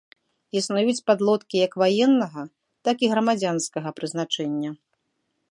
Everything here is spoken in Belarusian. Існуюць падлодкі як ваеннага, так і грамадзянскага прызначэння.